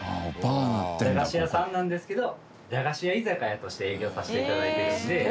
駄菓子屋さんなんですけど駄菓子屋居酒屋として営業させて頂いているんで。